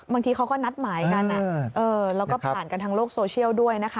บางทีเขาก็นัดหมายกันแล้วก็ผ่านกันทางโลกโซเชียลด้วยนะคะ